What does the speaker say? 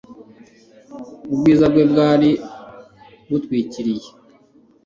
Ubwiza bwe bwari butwikiriye,